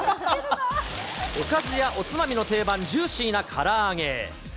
おかずやおつまみの定番、ジューシーなから揚げ。